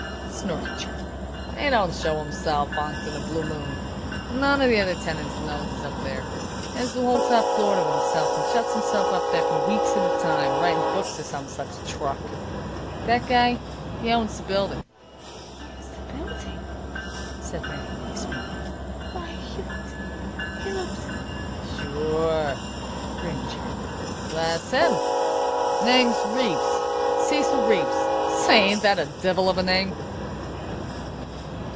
snorted Charlie. "He don't show himself onct in a blue moon. None of the other tenants knows he's up there. Has the whole top floor to himself, and shuts himself up there for weeks at a time, writin' books, or some such truck. That guy, he owns the building." "Owns the building!" said Mary Louise, faintly. "Why he looked he looked " "Sure," grinned Charlie. "That's him. Name's Reeves Cecil Reeves. Say, ain't that a divil of a name?"